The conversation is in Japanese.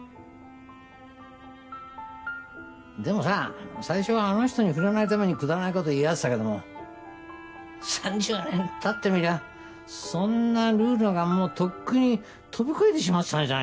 でもさ最初はあの人に触れないためにくだらない事言い合ってたけども３０年経ってみりゃそんなルールなんかもうとっくに飛び越えてしまってたんじゃないの？